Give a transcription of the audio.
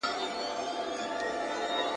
پر آسمان یې کرشمې د ده لیدلای ,